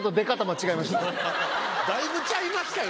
だいぶちゃいましたよ。